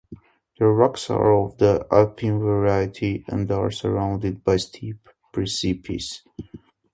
The rocks are of the Alpine variety and are surrounded by steep precipices.